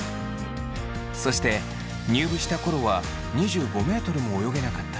そして入部した頃は２５ｍも泳げなかった土屋さん。